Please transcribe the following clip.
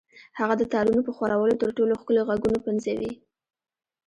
هغه د تارونو په ښورولو تر ټولو ښکلي غږونه پنځوي